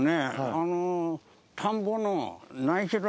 あの。